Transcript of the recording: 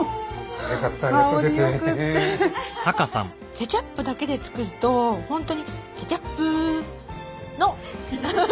ケチャップだけで作るとホントにケチャップの。